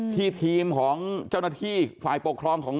ทีมของเจ้าหน้าที่ฝ่ายปกครองของ